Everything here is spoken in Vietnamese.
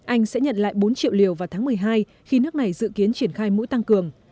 anh sẽ nhận lại bốn triệu liều vào tháng một mươi hai khi nước này dự kiến triển khai mũi tăng cường